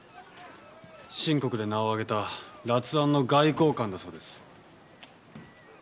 清国で名を上げた辣腕の外交官だそうです。